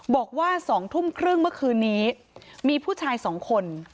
บอกว่า๒ทุ่มครึ่งเมื่อคืนนี้มีผู้ชาย๒คน